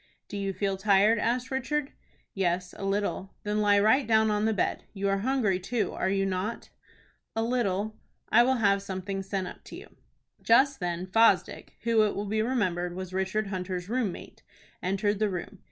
"Do you feel tired?" asked Richard. "Yes, a little." "Then lie right down on the bed. You are hungry too, are you not?" "A little." "I will have something sent up to you." Just then Fosdick, who, it will be remembered, was Richard Hunter's room mate, entered the room.